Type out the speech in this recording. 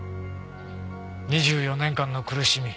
２４年間の苦しみ。